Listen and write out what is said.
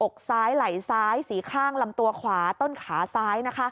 อกซ้ายไหล่ซ้ายสีข้างลำตัวขวาต้นขาซ้าย